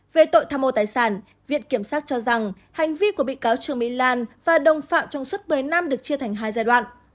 về tội tham mô tài sản viện kiểm sát cho rằng hành vi của bị cáo trương mỹ lan và đồng phạm trong suốt một mươi năm được chia thành hai giai đoạn